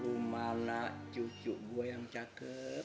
lo mana cucuk gue yang cakep